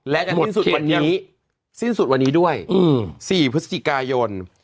และในที่สุดวันนี้สิ้นสุดวันนี้ด้วย๔พฤศจิกายน